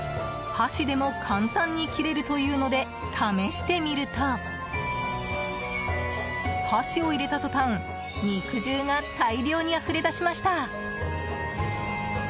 箸でも簡単に切れるというので試してみると箸を入れた途端肉汁が大量にあふれ出しました。